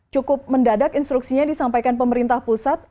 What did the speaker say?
cukup mendadak instruksinya disampaikan pemerintah pusat